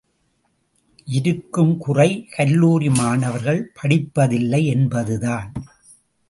இருக்கும் குறை கல்லூரி மாணவர்கள் படிப்பதில்லை என்பதுதான்!